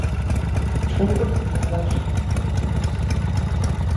ჭუპრი ნიადაგში იზამთრებს.